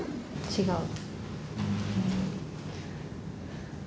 違う。